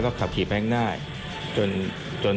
มีความรู้สึกว่ามีความรู้สึกว่า